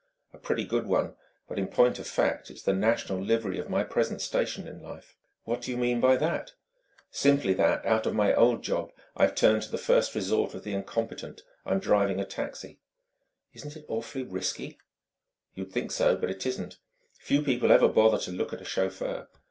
"A pretty good one. But in point of fact, it's the national livery of my present station in life." "What do you mean by that?" "Simply that, out of my old job, I've turned to the first resort of the incompetent: I'm driving a taxi." "Isn't it awfully risky?" "You'd think so; but it isn't. Few people ever bother to look at a chauffeur.